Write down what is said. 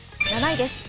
７位です。